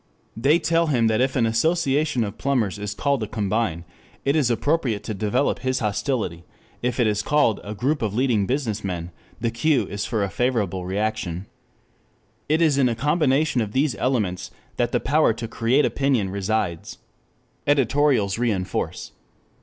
They tell him that if an association of plumbers is called a "combine" it is appropriate to develop his hostility; if it is called a "group of leading business men" the cue is for a favorable reaction. It is in a combination of these elements that the power to create opinion resides. Editorials reinforce.